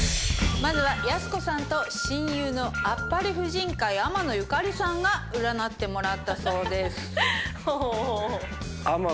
まずはやす子さんと親友のあっぱれ婦人会天野裕加里さんが占ってもらったそうです。